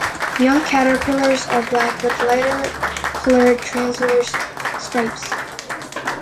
Young caterpillars are black with lighter colored transverse stripes.